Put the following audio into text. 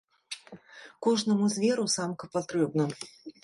Кожнаму зверу самка патрэбна.